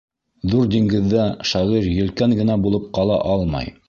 Ҙур диңгеҙҙә шағир елкән генә булып ҡала алмай.